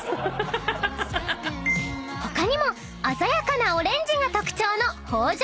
［他にも鮮やかなオレンジが特徴の］